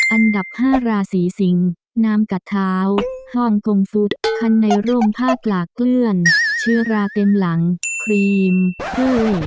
อันดับ๕ราศีสิงน้ำกัดเท้าฮ่องกงฟุตคันในร่มผ้ากลาเกลื้อนเชื้อราเต็มหลังครีมอื้อ